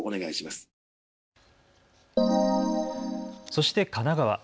そして神奈川。